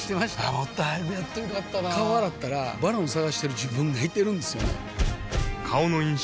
もっと早くやっといたら良かったなぁ顔洗ったら「ＶＡＲＯＮ」探してる自分がいてるんですよね